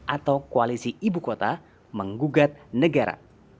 atau koalisi ibu kota menggugat negara